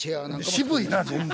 渋いな全部。